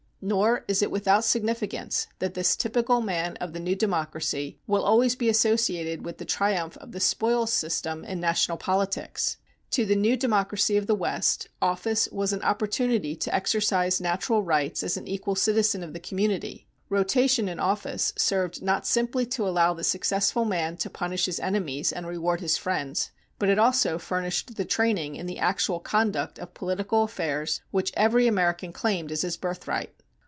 Nor is it without significance that this typical man of the new democracy will always be associated with the triumph of the spoils system in national politics. To the new democracy of the West, office was an opportunity to exercise natural rights as an equal citizen of the community. Rotation in office served not simply to allow the successful man to punish his enemies and reward his friends, but it also furnished the training in the actual conduct of political affairs which every American claimed as his birthright.